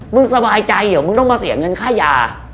มึงสบายใจเหรอมึงต้องมาเสียเงินค่ายา